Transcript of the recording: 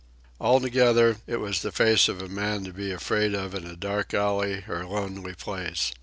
Altogether, it was the face of a man to be afraid of in a dark alley or lonely place.